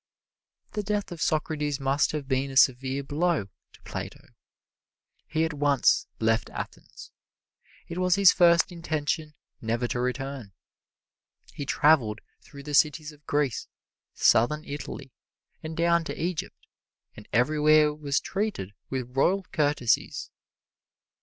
The death of Socrates must have been a severe blow to Plato. He at once left Athens. It was his first intention never to return. He traveled through the cities of Greece, Southern Italy and down to Egypt, and everywhere was treated with royal courtesies.